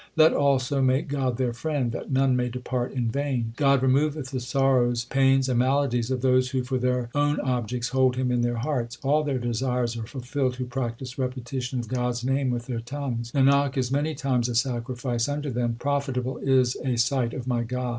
Let all so make God their friend That none may depart in vain. God removeth the sorrows, pains, and maladies of those Who for their own objects hold Him in their hearts. All their desires are fulfilled, Who practise repetition of God s name with their tongues. Nanak is many times a sacrifice unto them Profitable is a sight of my God.